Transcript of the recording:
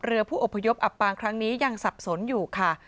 เรือผู้อพยพอับปางครั้งนี้ยังสับสนอยู่ค่ะ